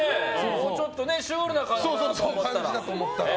ちょっとシュールな感じかなと思ったら。